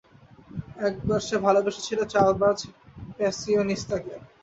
একবার সে ভালোবেসেছিল চালবাজ প্যাসিওনিস্তাকে।